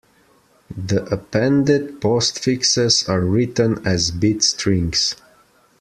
The appended postfixes are written as bit strings.